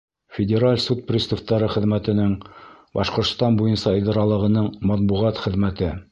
Федераль суд приставтары хеҙмәтенең Башҡортостан буйынса идаралығының матбуғат хеҙмәте.